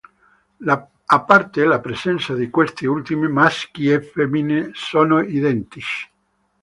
A parte la presenza di questi ultimi, maschi e femmine sono identici.